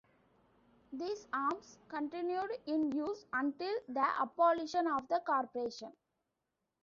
These arms continued in use until the abolition of the corporation.